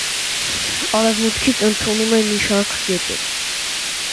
Արևմուտքից ընդունում է մի շարք գետեր։